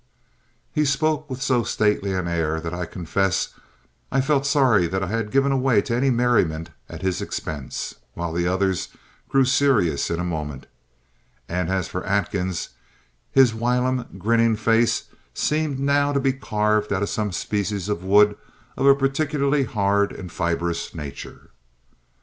He spoke with so stately an air that I confess I felt sorry I had given away to any merriment at his expense, while the others grew serious in a moment; and as for Atkins, his whilom grinning face seemed now to be carved out of some species of wood of a particularly hard and fibrous nature.